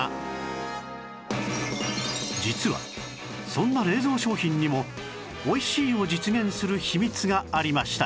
実はそんな冷蔵商品にも美味しいを実現する秘密がありました